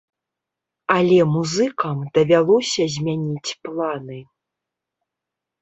Але музыкам давялося змяніць планы.